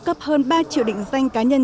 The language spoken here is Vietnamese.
cấp hơn ba triệu định danh cá nhân